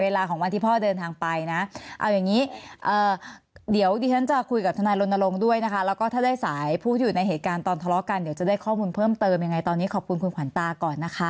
ของวันที่พ่อเดินทางไปนะเอาอย่างนี้เดี๋ยวดิฉันจะคุยกับทนายรณรงค์ด้วยนะคะแล้วก็ถ้าได้สายผู้ที่อยู่ในเหตุการณ์ตอนทะเลาะกันเดี๋ยวจะได้ข้อมูลเพิ่มเติมยังไงตอนนี้ขอบคุณคุณขวัญตาก่อนนะคะ